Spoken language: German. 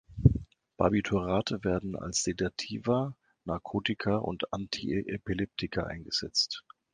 Barbiturate werden als Sedativa, Narkotika und Antiepileptika eingesetzt.